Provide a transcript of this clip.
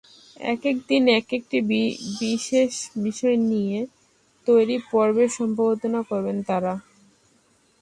একেক দিন একেকটি বিশেষ বিষয় নিয়ে তৈরি পর্বের সম্পাদনা করবেন তাঁরা।